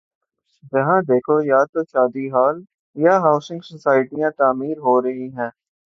جہاں دیکھو یا تو شادی ہال یا ہاؤسنگ سوسائٹیاں تعمیر ہو رہی ہیں۔